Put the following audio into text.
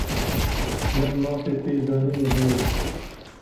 Min mafê pêzanînê heye.